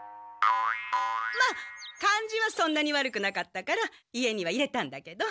まあ感じはそんなに悪くなかったから家には入れたんだけど。